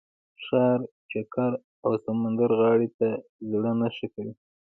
ښار چکر او سمندرغاړې ته زړه نه ښه کوي.